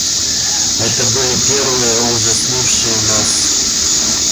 Это были первые, ужаснувшие нас.